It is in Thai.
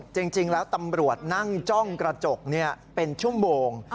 จริงแล้วตำรวจนั่งจ้องกระจกเป็นชั่วโมง